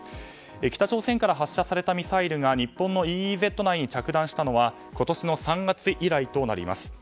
北朝鮮から発射されたミサイルが日本のＥＥＺ内に着弾したのは今年の３月以来となります。